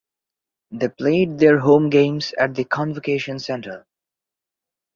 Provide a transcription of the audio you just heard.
They played their home games at the Convocation Center.